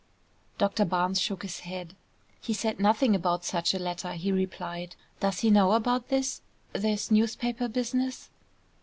Doctor Barnes shook his head. "He said nothing about such a letter," he replied. "Does he know about this this newspaper business?"